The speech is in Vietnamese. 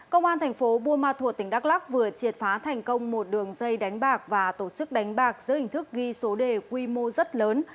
công an thành phố buôn ma thuột tỉnh đắk lắc vừa triệt phá thành công một đường dây đánh bạc và tổ chức đánh bạc giữa hình thức ghi số đề quy mô rất lớn